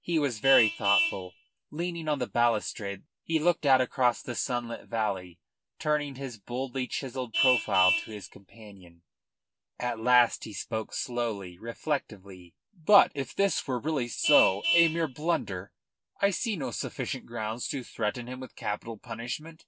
He was very thoughtful. Leaning on the balustrade, he looked out across the sunlit valley, turning his boldly chiselled profile to his companion. At last he spoke slowly, reflectively: "But if this were really so a mere blunder I see no sufficient grounds to threaten him with capital punishment.